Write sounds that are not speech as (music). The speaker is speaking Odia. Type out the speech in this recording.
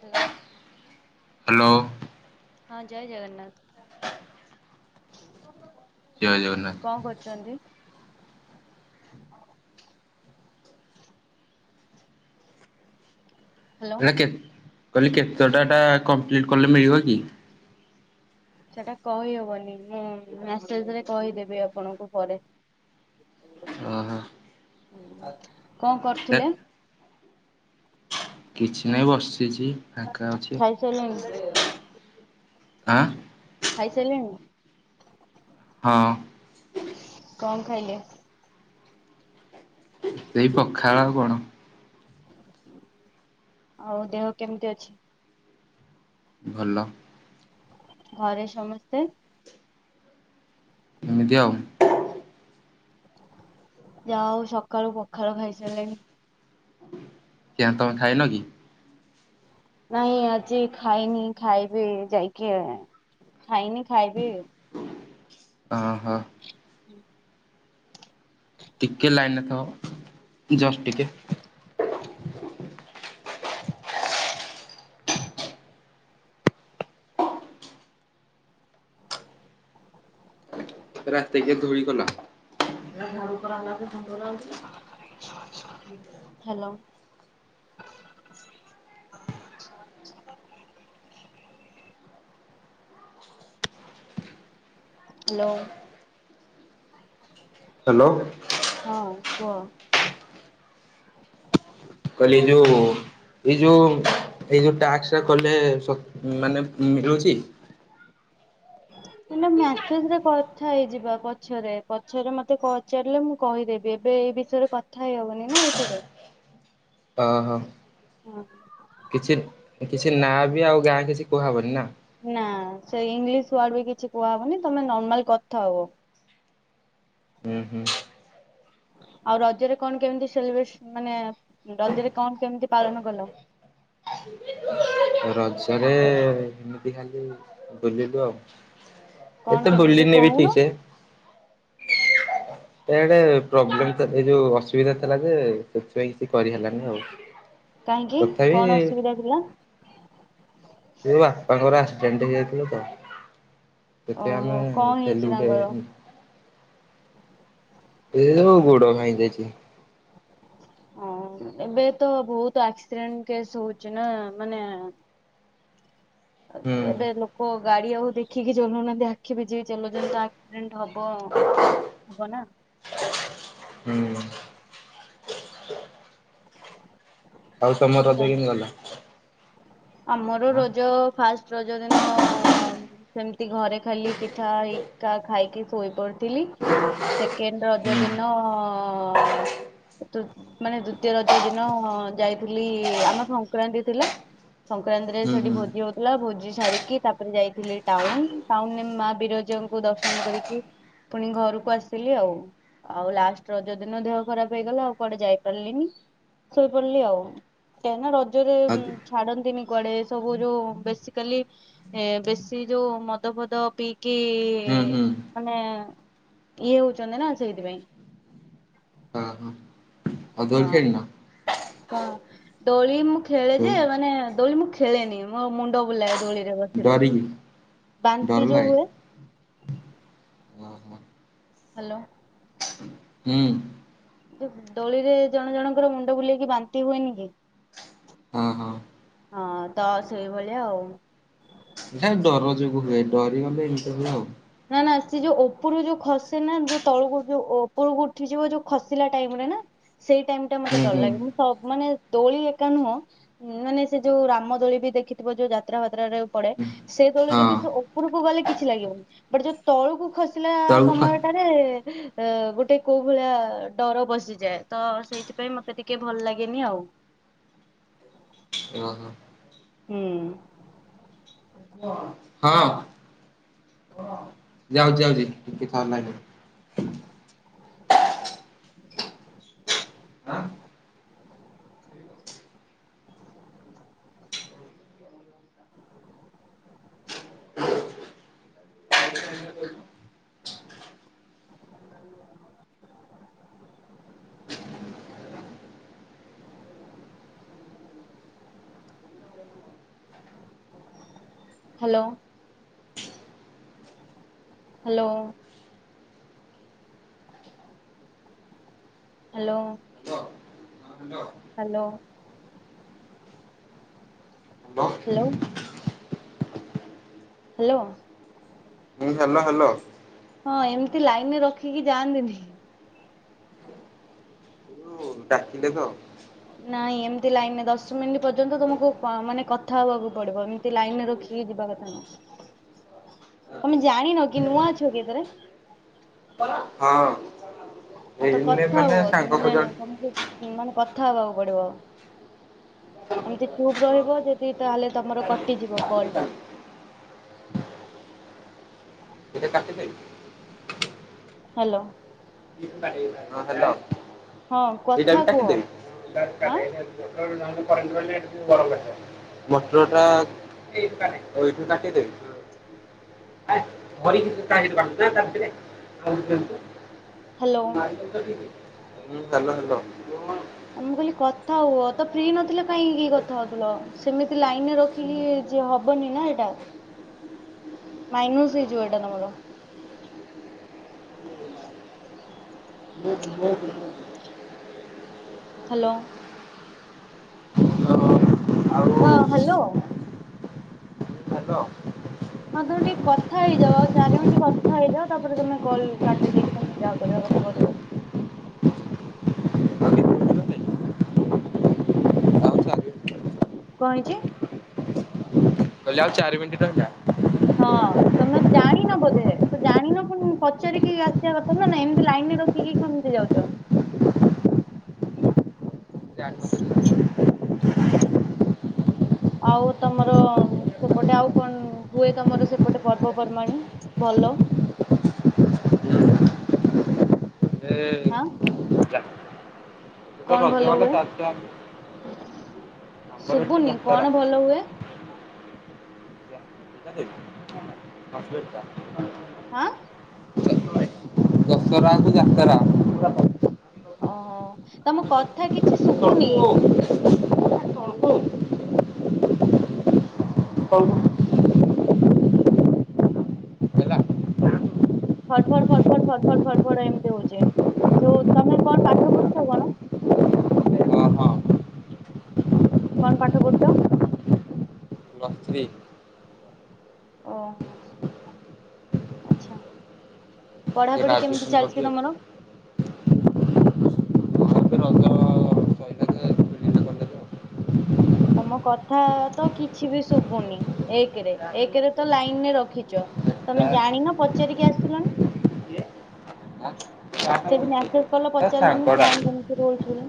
ହେଲୋ। ହ୍ୟାଲୋ ହଁ ଜୟ ଜଗନ୍ନାଥ। ଜୟ ଜଗନ୍ନାଥ। କଁ କରୁଚନ୍ତି? ହ୍ୟାଲୋ ଏଇଟା କେତ୍ କଇଲି କେତଟା ଏଟା କମ୍ପ୍ଲିଟ୍ କଲେ ମିଳିବ କି? ସେଟା କହିହବନି ମୁଁ ମେସେଜରେ କହିଦେବି ଆପଣଙ୍କୁ ପରେ। ଅଁ ହଁ। ଉଁ କଁ କରୁଥୁଲେ? କିଛି ନାହିଁ ବସିଛି ଫାଙ୍କା ଅଛି। (inaudible) ଆଁ। ଖାଇସାରିଲେଣି? ହଁ। କଣ ଖାଇଲେ? ସେଇ ପଖାଳ ଆଉ କଣ? ଆଉ ଦେହ କେମିତି ଅଛି? ଭଲ। ଘରେ ସମସ୍ତେ? ଏମିତି ଆଉ ଯା ହଉ ସକାଳୁ ପଖାଳ ଖାଇସାରିଲେଣି। କାଇଁ ତମେ ଖାଇନ କି? ନାଇଁ ଆଜି ଖାଇନି ଖାଇବି ଯାଇକି ଖାଇନି ଖାଇବେ? ଅହ। ହୁଁ ଟିକେ ଲାଇନରେ ଥିବ ଜଷ୍ଟ ଟିକେ ରାତିକି ଗୁଳି କଲା। ହାଲୋ। ହାଲୋ। ହାଲୋ। ହଁ କୁହ? କହିଲି ଏଇ ଯୋଉ ଏଇ ଯୋଉ ଏଇ ଯୋଉ ଟାସ୍କଟା କଲେ। ମାନେ ମିଳୁଛି। ମ ମେସେଜରେ କଥା ହେଇଯିବା ପଛରେ ପଛରେ ମତେ ପଚାରିଲେ ମୁଁ କହିଦେବି ଏବେ ଏଇ ବିଷୟରେ କଥା ହେଇ ହବନି ନା ଏଥିରେ। ହଁ। ହଁ। କିଛି କିଛି ନାଁ ବି ଆଉ ଗାଁ କିଛି କୁହାହବନି ନା? ନା ସେ ଇଂଲିଶ ୱାର୍ଡ ବି କିଛି କୁହାହବନି ତମେ ନର୍ମାଲ କଥା ହବ। ହୁଁ ହୁଁ। ଆଉ ରଜରେ କଣ କେମିତି ସେଲିବ୍ରେସ ମାନେ ରଜରେ କଣ କେମିତି ପାଳନ କଲ? ରଜରେ ଏମିତି ଖାଲି ବୁଲିଲୁ ଆଉ ଏ କଣ ତେ କେମିତି ବୁଲିନି ବି ଠିକ କହୁନ ସେ ଏଆଡେ ପ୍ରୋବ୍ଲେମ ଏଇ ଯୋଉ ଅସୁବିଧା ଥିଲା ଯେ ସେଥିପାଇଁ କିଛି କରିହେଲାନି ଆଉ ହ କାହିଁକି କଣ ଅସୁବିଧା ଥିଲା? ସେ ବାପାଙ୍କର ଆକ୍ସିଡେଣ୍ଟ ହେଇଯାଇଥିଲା ତ ଓ କଣ ହେଇଛି ତାଙ୍କର (inaudible) ଏଇ ଯୋଉ ଗୋଡ ଭାଙ୍ଗିଯାଇଥିଲା। ହଁ ଏବେ ତ ବହୁତ ଆକ୍ସିଡେଣ୍ଟ କେସ୍ ହଉଛି ନା ମାନେ ହୁଁ (inaudible) କୋଉ ଗାଡି ଆଉ ଦେଖିକି ଚଲଉନାହାନ୍ତି ଆଖି ବିଯିକି ଚଲଉଛନ୍ତି ଆକ୍ସିଡେଣ୍ଟ ହବ। ହବ ନା। ହୁଁ। ଆଉ ତମ ରଜ କେମିତି ଗଲା? ଆମର ଆଁ ରଜ ଫାଷ୍ଟ ରଜ ଦିନ ସେମତି ଘରେ ଖାଲି ପିଠା ହେରିକା ଖାଇକି ଶୋଇପଡିଥିଲି। ସେକେଣ୍ଡ ରଜ ହୁଁ ଦିନ। ତୁତ୍ ମାନେ ଦ୍ଵିତୀୟ ରଜ ଦିନ ଯାଇଥିଲି ଆମର ସଂକ୍ରାନ୍ତି ଥିଲା। ସଂକ୍ରାନ୍ତି ରେ ହୁଁ ସେଠି ହୁଁ ଭୋଜି ହ ଥିଲା ଭୋଜି ସାରିକି ତାପରେ ଯାଇଥିଲି ଟାଉନ ଟାଉନ ରେ ମା ବିରଜାଙ୍କୁ ଦର୍ଶନ କରିକି। ପୁଣି ଘରକୁ ଆସିଲି ଆଉ। ଆଉ ଲାଷ୍ଟ ରଜ ଦିନ ଦେହ ଖରାପ ହେଇଗଲା ଆଉ କୁଆଡେ ଯାଇପାରିଲିନି। ଶୋଇ ପଡିଲି ଆଉ କାହିଁକି ନା ରଜରେ ଆଉ ହୁଁ ଛାଡ ନ୍ତିନି କୁଆଡେ ଏସବୁ ଯୋଉ ବେସିକାଲି। ଏ ବେଶୀ ଯୋଉ ମଦ ଫଦ ପିଇକି ହୁଁ ମାନେ। ଇଏ ହଉଛନ୍ତି ନା ସେଇଥିପାଇଁ। ହଁ ହଁ ଆଉ ଦୋଳି ଖେଳିନ। କଁ ଦୋଳି ମୁଁ ଖେଳେ ଯେ ଦୋଳି ମାନେ ଦୋଳି ମୁଁ ଖେଳେନି ମୋ ମୁଣ୍ଡ ବୁଲାଏ। ଦୋଳିରେ ବସିଲେ ଡରିକି ଡର ବାନ୍ତି ଯୋଉ ଲାଗେ ହୁଏ। ଓହୋ ହାଲୋ। ହୁଁ। ଯୋଉ ଦୋଳିରେ ଜଣ ଜଣଙ୍କର ମୁଣ୍ଡ ବୁଲେଇକି ବାନ୍ତି ହୁଏନି କି। ହଁ ହଁ ହଁ ତ ସେଇ ଭଳିଆ ଆଉ। ଏଇଟା ଡର ଯୋଗୁ ହୁଏ ଡରି ଗଲେ ଏମିତି ହୁଏ ଆଉ। ନା ନା ସେ ଯୋଉ ଉପରୁ ଯୋଉ ଖସେ ନା ଯୋଉ ତଳକୁ ଯୋଉ ଉପରକୁ ଉଠିଯିବ ଯୋଉ ଖସିଲା ଟାଇମ ରେ ନା। ସେଇ ଟାଇମ ଟା ହୁଁ ମତେ ଡର ହୁଁ ଲାଗେ ମୁଁ ସବ ମାନେ ଦୋଳି ଏକା ନୁହଁ। ଉଁ ମାନେ ସେ ଯୋଉ ରାମଦୋଳି ବି ଦେଖିଥିବ ଯୋଉ ଯାତ୍ରା ଫାତ୍ରା ରେ ପଡେ। ହୁଁ। ସେ ଦୋଳିରେ ବି ହଁ ସେ ଉପରକୁ ଗଲେ କିଛି ଲାଗିବନି ବଟ ଯୋଉ ତଳକୁ ଖସିଲା ତଳକୁ ଖ ସମ ୟ ରେ। ଏ ଗୋଟେ କୋଉ ଭଳିଆ ଡର ପସିଯାଏ ତ ସେଇଥି ପାଇଁ ମତେ ଟିକେ ଭଲ ଲାଗେନି ଆଉ। ଓ ହୋ। ହୁଁ। (unintelligible) ହଁ। (unintelligible) ଯାଉଛି ଯାଉଛି ଟିକେ ଥାଅ ଲାଇନ ରେ। ଆଁ hello. Hello. Hello. Hello hello hello. Hello hello. Hello. ଏ ହାଲୋ ହାଲୋ। ହଁ ଏମିତି ଲାଇନରେ ରଖିକି ଯାଆନ୍ତିନି। ଯୋଉ ଡାକିଲେ ତ। ନାଇଁ ଏମିତି ଲାଇନରେ ଦଶ ମିନିଟ୍ ପର୍ଯ୍ୟନ୍ତ ତମକୁ ମାନେ କଥା ହବାକୁ ପଡିବ ଏମିତି ଲାଇନ ରେ ରଖିକି ଯିବା କଥା ନୁହେଁ। (inaudible) ତମେ ଜାଣିନ କି ନୂଆ ଅଛ କି ଏଥେରେ। ହଁ। ଆଉ ତ ଏଇନେ କଥା ମାନେ ହୁଅ ସାଙ୍ଗ ମାନେ ଖୋଜନ୍ତି ତମକୁ ମାନେ କଥା ହବାକୁ ପଡିବ। ଏମିତି ଚୁପ୍ ହଁ ରହିବ ହଁ ଯଦି ତାହେଲେ ତମର କଟିଯିବ କଲ ଟା। ଏଇଟା କାଟି ଦେବି। ହାଲୋ ହଁ ହାଲୋ। ହଁ କଥା କୁହ ଆଁ। (unintelligible) (unintelligible) ମଟରଟା ଏଇଠୁ କାଟିଦେବି (unintelligible) ହାଲୋ ହାଲୋ ହାଲୋ ଆ ମୁଁ କହିଲି କଥା ହୁଅ ତ ଫ୍ରି ନଥିଲା କାହିଁକି କଥା ହଉଥିଲ ସେମିତି ଲାଇନରେ ରଖିକି ଯିଏ ହବନି ନା ଏଇଟା (inaudible) ମାଇନୁସ ହେଇଯିବ ଏଇଟା ତମର (inaudible) ହ୍ୟାଲୋ (inaudible) ହଁ ହ୍ୟାଲୋ ହାଲୋ ହଁ ତମେ ଟିକେ କଥା ହେଇଯାଅ ଆଉ ଚାରି ମିନିଟ୍ କଥା ହେଇଯାଅ ତାପରେ ତମେ କଲ କାଟି ଦେଇକି ତମେ ଯାହା କରିବା କଥା କରିବ କେତେ ମିନିଟ୍ ରହିଲା? (inaudible) ଆଉ ଚାରି କହିଲି କଣ ହେଇଛି କହିଲି ଆଉ ଚାରି ମିନିଟ୍ ରହିଲା ହଁ ତମେ ଜାଣିନ ବୋଧେ ତ ଜାଣିନ ପୁଣି ପଚାରିକି ଆସିବା କଥା ନା ନା ଏମିତି ଲାଇନ ରେ ରଖ କି କେମିତି ଯାଉଛ (inaudible) ଆଉ ତମର ସେପଟେ ଆଉ କଣ ହୁଏ ତମର ସେପଟେ ପର୍ବପର୍ବାଣୀ ଭଲ ଏ ହାଁ ସେତରଜ ଗଲେ (inaudible) ଶୁଭୁନି ଯାତ୍ରା। କଣ ଭଲ ହୁଏ (inaudible) (unintelligible) ହାଁ ଦସରା ତ ଯାତରା ଓହୋ ତମ କଥା କିଛି ଶୁଭୁନି ହଁ କଣ ହେଲା ଫର ଫଡ଼ ଫର ଫର ଫର ଫଡ଼ ଫର ଫଡ ଏମତି ହଉଚି ଯୋଉ ତମେ କଣ ପାଠ ପଢୁଛ କଣ ହ ହ ହଁ କଣ ପାଠ ପଢତ ବସ୍ତୀ ଓହୋ ଆଚ୍ଛା ପଢାପଢି କେମିତି ଗ୍ରାଜୁଏସନ୍ କରିଛି ଚାଲିଛି ଆଉ ତମର ହଁ ଏବେ ରଜ ସଇଲା ଯେ ଖୋଲିଲେ କଲେଜ ଆଉ। ତମ କଥା ତ କିଛି ବି ଶୁଭୁନି ଏକରେ ଏକରେ ତ ଲାଇନ ରେ ରଖିଛ ତମେ ଜାଣିନ ପଚାରିକି ଆସିଲନି ଆଁ ସେଠି ମ୍ୟାସେଜ କଲ ପଚାରିଲନି କଣ କେମିତି ରୋଲଲ